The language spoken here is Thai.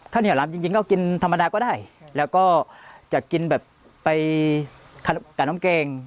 ข้าวเหนียวลำจริงก็กินธรรมดาก็ได้แล้วก็จะกินแบบไปกับน้ำแกง